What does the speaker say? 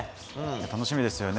楽しみですよね。